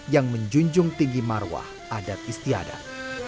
yang menjunjung tinggi marwah adat istiadat